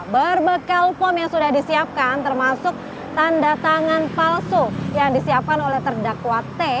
berbekal form yang sudah disiapkan termasuk tanda tangan palsu yang disiapkan oleh terdakwate